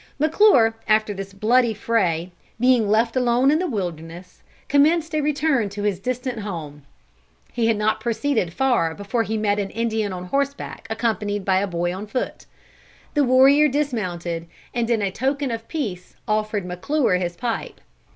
McClure, after this bloody fray, being left alone in the wilderness, commenced a return to his distant home. He had not proceeded far before he met an Indian on horseback accompanied by a boy on foot. The warrior dismounted, and in token of peace offered McClure his pipe.